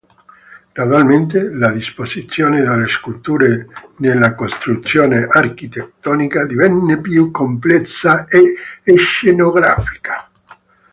Gradualmente la disposizione delle sculture nella costruzione architettonica divenne più complessa e scenografica.